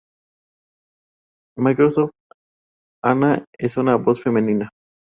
Microsoft Anna es una voz femenina.